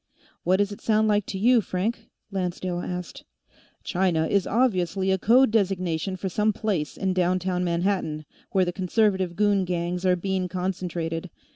"What does it sound like to you, Frank?" Lancedale asked. "China is obviously a code designation for some place in downtown Manhattan, where the Conservative goon gangs are being concentrated.